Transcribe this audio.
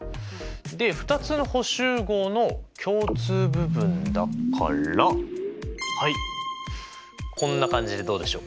で２つの補集合の共通部分だからはいこんな感じでどうでしょう？